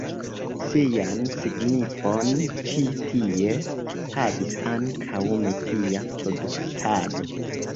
Sian signifon ĉi tie havis ankaŭ metia produktado.